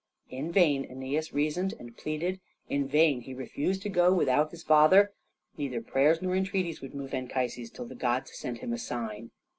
In vain Æneas reasoned and pleaded, in vain he refused to go without his father; neither prayers nor entreaties would move Anchises till the gods sent him a sign.